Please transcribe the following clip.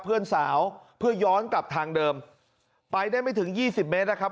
เพื่อนสาวเพื่อย้อนกลับทางเดิมไปได้ไม่ถึงยี่สิบเมตรนะครับ